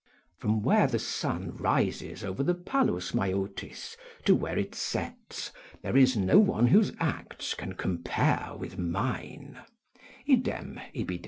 ["From where the sun rises over the Palus Maeotis, to where it sets, there is no one whose acts can compare with mine" Idem, ibid.